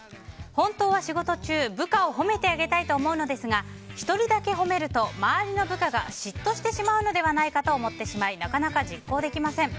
本当は仕事中、部下を褒めてあげたいと思うのですが１人だけ褒めると周りの部下が嫉妬しまうのではないかと思ってしまいなかなか実行できません。